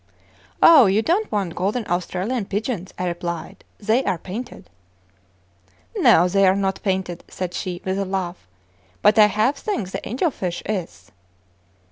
"Oh, you don't want 'Golden Australian Pigeons,'" I replied; "they are painted." "No, they are not painted," said she, with a laugh, "but I half think the Angel Fish is."